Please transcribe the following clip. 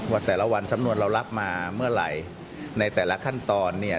ว่าแต่ละวันสำนวนเรารับมาเมื่อไหร่ในแต่ละขั้นตอนเนี่ย